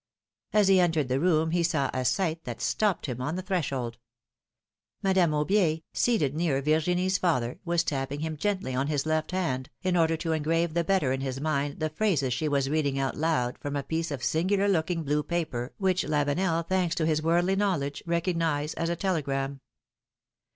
As he entered the room he saw a sight that stopped him on the threshold. Madame Aubier, seated near Virginie's father, was tapping him gently on his left hand, in order to engrave the better in his mind the phrases she was reading out loud from a piece of singular looking blue paper which Lavenel, thanks to his worldly knowledge, recognized as a telegram.